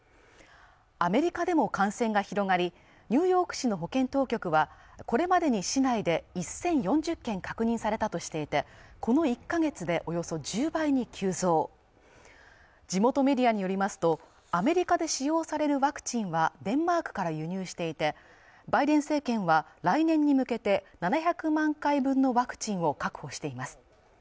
アメリカでも感染が広がりニューヨーク市の保健当局はこれまでに市内で１０４０件確認されたとしていてこの１か月でおよそ１０倍に急増地元メディアによりますとアメリカで使用されるワクチンはデンマークから輸入していてバイデン政権は来年に向けて７００万回分のワクチンを確保しています